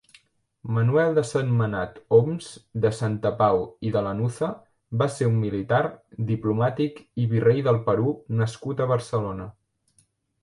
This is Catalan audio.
Manuel de Sentmenat-Oms de Santa Pau i de Lanuza va ser un militar, diplomàtic i virrei del Perú nascut a Barcelona.